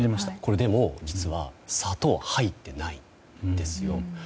でも、実は砂糖入ってないんですよ。